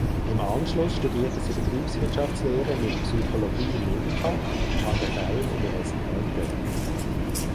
Im Anschluss studierte sie Betriebswirtschaftslehre mit Psychologie im Nebenfach an der Freien Universität Berlin.